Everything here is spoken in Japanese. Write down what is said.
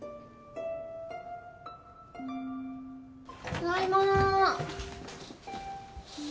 ただいま。